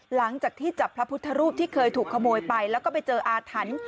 หลังจากที่จับพระพุทธรูปที่เคยถูกขโมยไปแล้วก็ไปเจออาถรรพ์